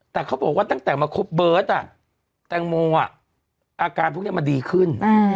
แต่เขาก็บอกว่าตั้งแต่มาครบเบิร์ตอ่ะตังโม่อ่ะอาการทุกอย่างมันดีขึ้น